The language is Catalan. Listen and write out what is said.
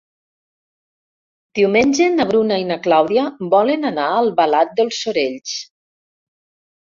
Diumenge na Bruna i na Clàudia volen anar a Albalat dels Sorells.